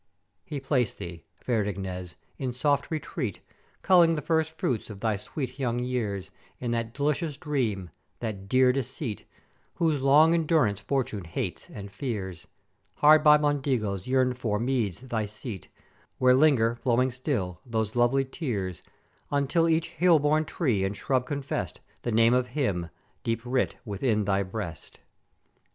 "He placed thee, fair Ignèz! in soft retreat, culling the first fruits of thy sweet young years, in that delicious Dream, that dear Deceit, whose long endurance Fortune hates and fears: Hard by Mondego's yearned for meads thy seat, where linger, flowing still, those lovely tears, until each hill born tree and shrub confest the name of Him deep writ within thy breast.